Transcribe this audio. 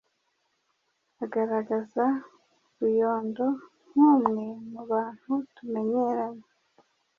agaragaza Ruyondo “nk’umwe mu bantu tumenyeranye.’’